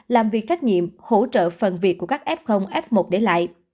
làm việc trách nhiệm hỗ trợ phần việc của các f f một để lại